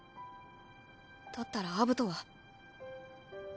だったらアブトは。